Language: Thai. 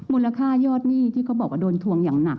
มูลค่ายอดหนี้ที่เขาบอกว่าโดนทวงอย่างหนัก